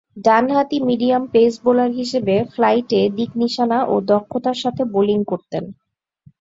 ডানহাতি medium pace bowler হিসেবে ফ্লাইটে দিক-নিশানা ও দক্ষতার সাথে বোলিং করতেন।